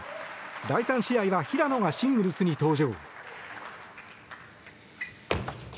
第３試合は平野がシングルスに登場。